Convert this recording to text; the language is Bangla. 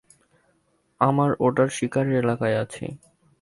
আমরা ওটার শিকারের এলাকায় আছি।